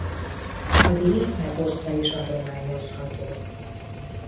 A díj megosztva is adományozható.